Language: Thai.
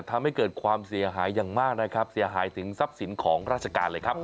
ทำให้เกิดความเสียหายอย่างมากนะครับเสียหายถึงทรัพย์สินของราชการเลยครับ